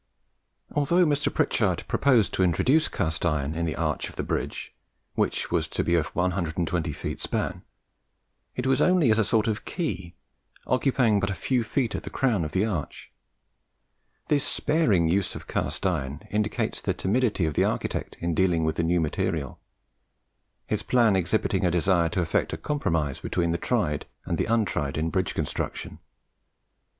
Although Mr. Pritchard proposed to introduce cast iron in the arch of the bridge, which was to be of 120 feet span, it was only as a sort of key, occupying but a few feet at the crown of the arch. This sparing use of cast iron indicates the timidity of the architect in dealing with the new material his plan exhibiting a desire to effect a compromise between the tried and the untried in bridge construction.